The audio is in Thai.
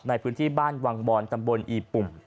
ในพื้นที่บ้านวังบอนตำบลอีปุ่ม